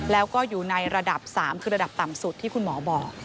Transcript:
แล้วก็อยู่ในระดับ๓คือระดับต่ำสุดที่คุณหมอบอก